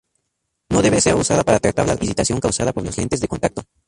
No debe ser usada para tratar la irritación causada por los lentes de contacto.